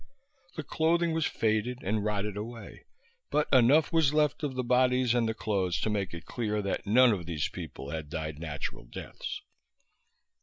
The clothing was faded and rotted away; but enough was left of the bodies and the clothes to make it clear that none of these people had died natural deaths.